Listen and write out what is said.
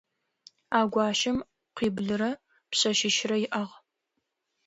А гуащэм къуиблырэ пшъэшъищрэ иӏагъ.